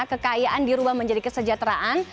kekayaan dirubah menjadi kesejahteraan